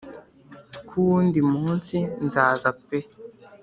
kuwundi munsi nzaza pe